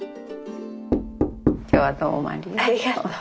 今日はどうもありがとう。